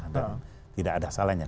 dan tidak ada salahnya